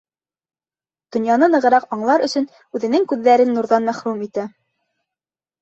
Донъяны нығыраҡ аңлар өсөн үҙенең күҙҙәрен нурҙан мәхрүм итә.